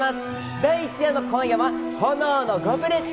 第１夜の今夜は『炎のゴブレット』。